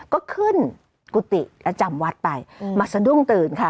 ก็ขึ้นกุฏิประจำวัดไปมาสะดุ้งตื่นค่ะ